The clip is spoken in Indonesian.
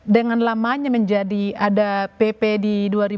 dengan lamanya menjadi ada pp di dua ribu dua puluh